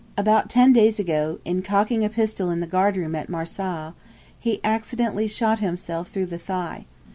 'About ten days ago, in cocking a pistol in the guard room at Marcau, he accidentally shot himself through the thigh.